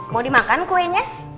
mau dimakan kuenya